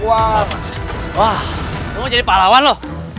lu mau jadi pak lawan lu